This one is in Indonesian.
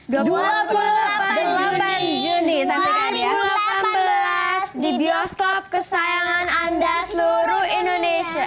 dua puluh delapan juni dua ribu delapan belas di bioskop kesayangan anda seluruh indonesia